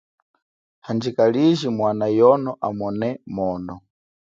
Handjika liji mwana yono amone mwono.